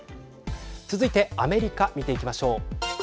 続いてアメリカ見ていきましょう。